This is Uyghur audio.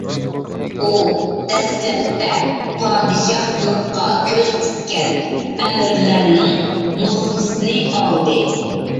ئۇ دەسلەپتە پادىشاھلىققا كۆز تىككەن ئەمىرلەرنىڭ نوخلىسىنى ئالدى.